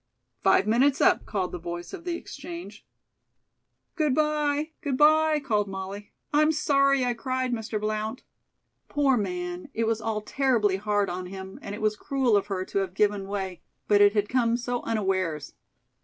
"Five minutes up," called the voice of the exchange. "Good by, good by," called Molly. "I'm sorry I cried, Mr. Blount." Poor man! It was all terribly hard on him, and it was cruel of her to have given way, but it had come so unawares!